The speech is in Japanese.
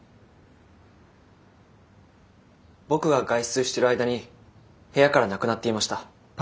僕が外出している間に部屋からなくなっていました。